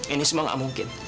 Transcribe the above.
ini semua tidak mungkin